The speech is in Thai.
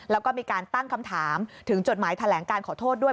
แล้วก็มีการตั้งคำถามถึงจดหมายแถลงการขอโทษด้วย